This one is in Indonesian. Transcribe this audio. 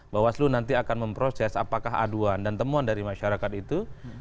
bawaslu nanti akan memproses apakah aduan dan temuan dari masyarakat itu